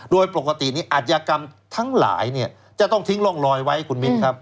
โดยปกตินี้อาจยากรรมทั้งหลายเนี่ยจะต้องทิ้งร่องรอยไว้คุณมินครับ